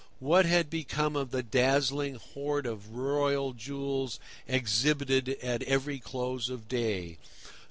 What had become of the dazzling hoard of royal jewels exhibited at every close of day?